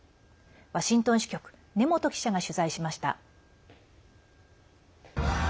ワシントン支局根本記者が取材しました。